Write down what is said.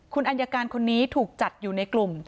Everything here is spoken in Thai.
คุณอัญญาการคนนี้ถูกจัดอยู่ในกลุ่ม